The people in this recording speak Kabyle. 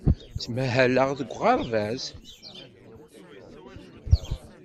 Ttmahaleɣ deg uɣerbaz.